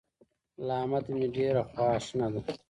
له احمده مې ډېره خواشنه ده.